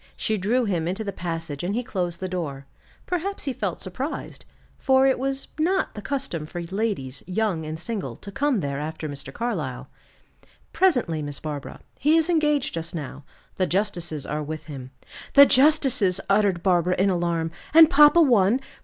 She drew him into the passage and he closed the door. Perhaps he felt surprised, for it was not the custom for ladies, young and single, to come there after Mr. Carlyle. "Presently, Miss Barbara. He is engaged just now. The justices are with him." "The justices!" uttered Barbara, in alarm; "and papa one?